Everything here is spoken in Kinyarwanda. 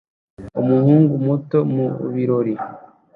Umuhungu muto mu birori